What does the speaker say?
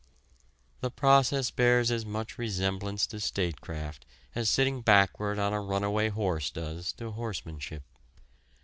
The process bears as much resemblance to statecraft as sitting backward on a runaway horse does to horsemanship.